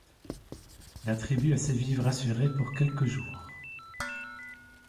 La tribu a ses vivres assurés pour quelques jours.